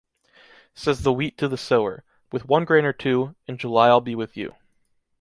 Says the wheat to the sower: with one grain or two, in July I’ll be with you.